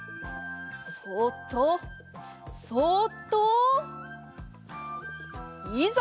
そっとそっといざ！